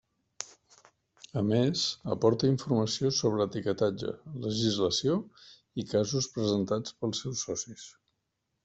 A més aporta informació sobre etiquetatge, legislació i casos presentats pels seus socis.